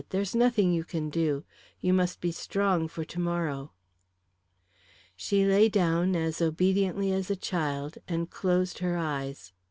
"There's nothing you can do. You must be strong for to morrow." She lay down as obediently as a child, and closed her eyes.